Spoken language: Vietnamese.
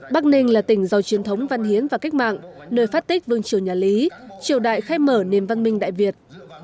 bắc ninh là tỉnh giàu truyền thống văn hiến và cách mạng nơi phát tích vương triều nhà lý triều đại khai mở niềm văn minh đại việt